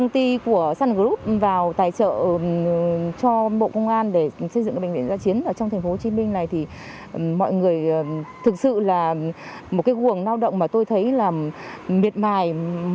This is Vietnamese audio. trong những ngày khu vực này mọi người thực sự là một cái nguồn lao động mà tôi thấy là miệt mải